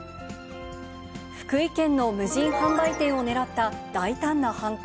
福井県の無人販売店を狙った大胆な犯行。